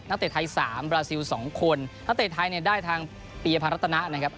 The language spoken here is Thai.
เตะไทยสามบราซิลสองคนนักเตะไทยเนี่ยได้ทางปียพันรัตนะนะครับ